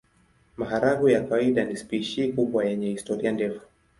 Maharagwe ya kawaida ni spishi kubwa yenye historia ndefu.